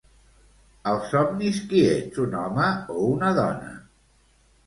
Als somnis qui ets un home o una dona?